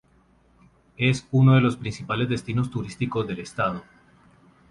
Es uno de los principales destinos turísticos del estado.